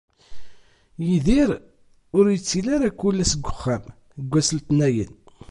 Yidir ur yettili ara kul ass deg uxxam deg wass n letnayen.